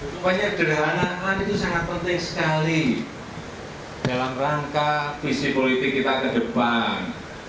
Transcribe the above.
pokoknya gerhanaan itu sangat penting sekali dalam rangka visi politik kita ke depan